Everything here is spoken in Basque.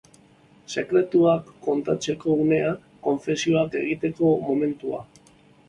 Sekretuak kontatzeko unea, konfesioak egiteko momentua.